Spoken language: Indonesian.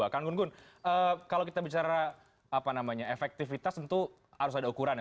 kan gungun kalau kita bicara efektivitas tentu harus ada ukurannya